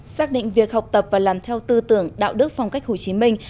xác định việc học tập và làm theo tư tưởng đạo đức phong cách hồ chí minh